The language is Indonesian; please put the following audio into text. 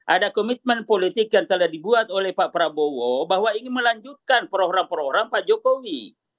ada komitmen politik yang telah dibuat oleh pak prabowo bahwa ingin melanjutkan program program pak jokowi